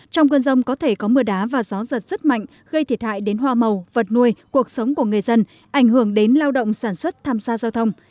trong cơn rông có thể có mưa đá và gió giật rất mạnh gây thiệt hại đến hoa màu vật nuôi cuộc sống của người dân ảnh hưởng đến lao động sản xuất tham gia giao thông